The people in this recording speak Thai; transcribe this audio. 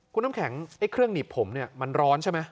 คุณน้ำแข็งไอ้เครื่องหนีบผมเนี่ยมันร้อนใช่ไหม